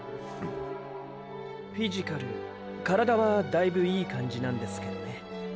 フィジカル――「体」はだいぶいいかんじなんですけどね。